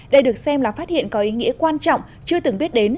đây được xem là phát hiện có ý nghĩa quan trọng chưa từng biết đến